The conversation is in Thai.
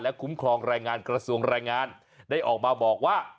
และกลุ่มคลองรายงานกระทรวงรายงานได้ออกมาบอกว่า